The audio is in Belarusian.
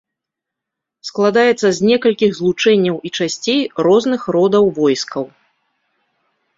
Складаецца з некалькіх злучэнняў і часцей розных родаў войскаў.